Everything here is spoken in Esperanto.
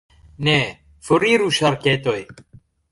Ne, foriru ŝarketoj!